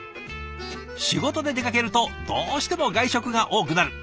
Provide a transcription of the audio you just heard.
仕事で出かけるとどうしても外食が多くなる。